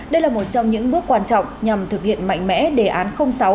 đây là một trong những bước quan trọng nhằm thực hiện mạnh mẽ đề án sáu